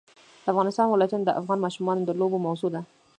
د افغانستان ولايتونه د افغان ماشومانو د لوبو موضوع ده.